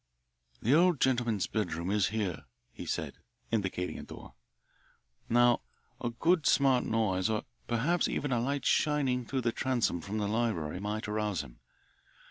"The old gentleman's bedroom is here," he said, indicating a door. "Now a good smart noise or perhaps even a light shining through the transom from the library might arouse him.